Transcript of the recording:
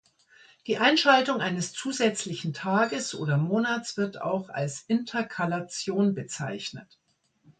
Die Einschaltung eines zusätzlichen Tages oder Monats wird auch als "Interkalation" bezeichnet.